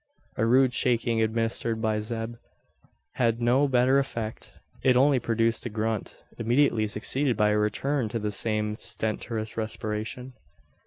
A rude shaking administered by Zeb had no better effect. It only produced a grunt, immediately succeeded by a return to the same stentorous respiration.